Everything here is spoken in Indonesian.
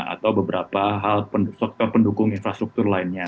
atau beberapa hal faktor pendukung infrastruktur lainnya